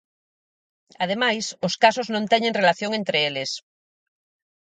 Ademais, os casos non teñen relación entre eles.